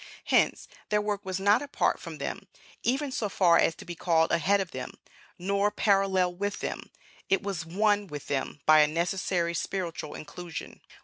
Hence, their work was not apart from them, even so far as to be called ahead of them; nor parallel with them; it was one with them by a necessary spiritual inclusion.